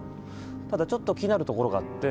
ただちょっと気になるところがあって。